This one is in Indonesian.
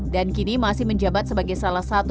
dan kini masih menjabat sebagai salah satu